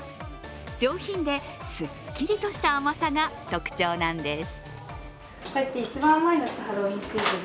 上品ですっきりとした甘さが特徴なんです。